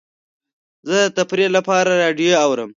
زه د تفریح لپاره راډیو اورم.